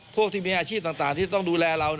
พวกที่มีอาชีพต่างที่ต้องดูแลเรา